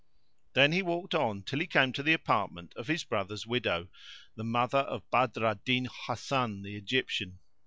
Then he walked on till he came to the apartment of his brother's widow, the mother of Badr al Din Hasan, the Egyptian.